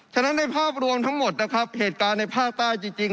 ฉะนั้นในภาพรวมทั้งหมดนะครับเหตุการณ์ในภาคใต้จริง